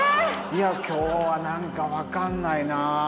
いや今日はなんかわかんないなホントに。